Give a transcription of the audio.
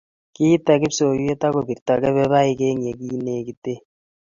Kiite kipsoiywet akobirto kebebaik eng ye kinegite